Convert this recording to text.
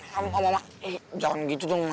mama mama jangan gitu dong